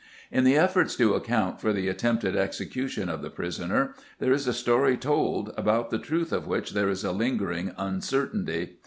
In the efforts to account for the attempted execution of the prisoner, there is a story told, about the truth of which there is a lingering uncertainty.